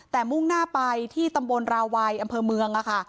แต่มุ่งหน้าไปที่ตำบลราวัยอำเภอเมือง